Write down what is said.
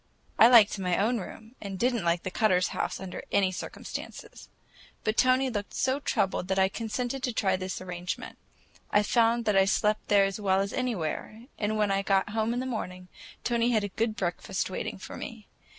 I liked my own room, and I did n't like the Cutters' house under any circumstances; but Tony looked so troubled that I consented to try this arrangement. I found that I slept there as well as anywhere, and when I got home in the morning, Tony had a good breakfast waiting for me.